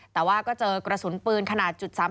แต่ว่าก็เจอกระสุนปืนขนาด๓๓